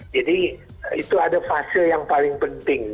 jadi itu ada fasil yang paling penting